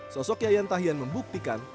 sosok yayan tahian membuktikan